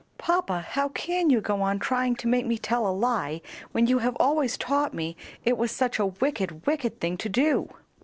"Papa, how can you go on trying to make me tell a lie when you have always taught me it was such a wicked, wicked thing to do?"